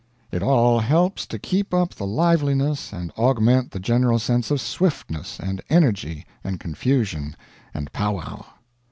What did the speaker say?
It all helps to keep up the liveliness and augment the general sense of swiftness and energy and confusion and pow wow.